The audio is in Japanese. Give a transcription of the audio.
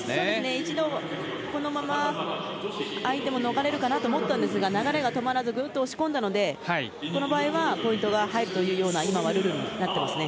一度、このまま相手も逃れるかなと思ったんですが流れが止まらずグッと押し込んだのでこの場合はポイントが入るといういルールになっていますね。